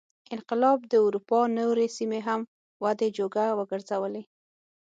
انقلاب د اروپا نورې سیمې هم ودې جوګه وګرځولې.